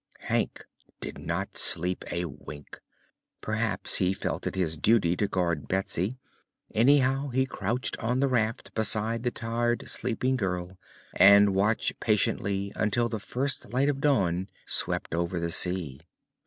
Hank did not sleep a wink. Perhaps he felt it his duty to guard Betsy. Anyhow, he crouched on the raft beside the tired sleeping girl and watched patiently until the first light of dawn swept over the sea.